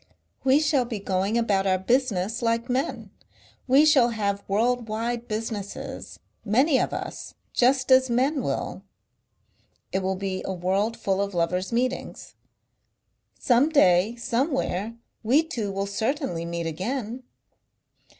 We shall be going about our business like men; we shall have world wide businesses many of us just as men will.... "It will be a world full of lovers' meetings." "Some day somewhere we two will certainly meet again."